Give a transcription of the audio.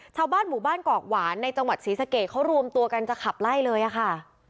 ชาวบ้านหมู่บ้านกอกหวานในจังหวัดศรีสะเกดเขารวมตัวกันจะขับไล่เลยอะค่ะ